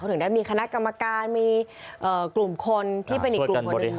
ถึงได้มีคณะกรรมการมีกลุ่มคนที่เป็นอีกกลุ่มคนหนึ่ง